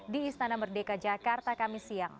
di istana merdeka jakarta kami siang